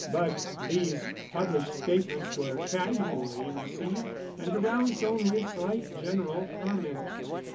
But these published statements were casually received and aroused only slight general comment.